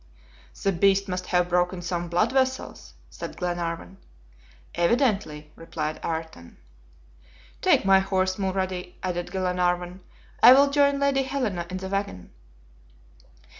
"The beast must have broken some blood vessels," said Glenarvan. "Evidently," replied Ayrton. "Take my horse, Mulrady," added Glenarvan. "I will join Lady Helena in the wagon."